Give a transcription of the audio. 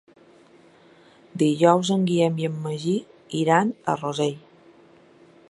Dijous en Guillem i en Magí iran a Rossell.